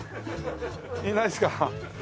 いないですか？